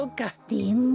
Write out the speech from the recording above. でも。